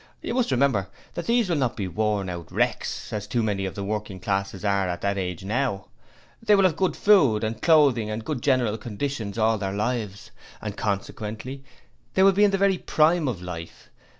You must remember that these will not be worn out wrecks, as too many of the working classes are at that age now. They will have had good food and clothing and good general conditions all their lives; and consequently they will be in the very prime of life.